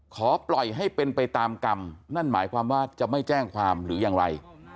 ขอให้ปล่อยให้เป็นไปตามกรรมนั่นหมายความว่าจะไม่แจ้งความหรือยังไร